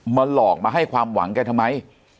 หลอกมาให้ความหวังแกทำไม